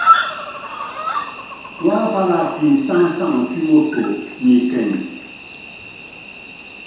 Tuápála pisáŋsaŋ pímoso ni ikɛŋ.